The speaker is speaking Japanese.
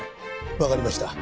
わかりました。